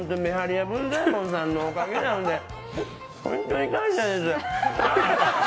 屋文在ヱ門さんのおかげなんで、本当に感謝です。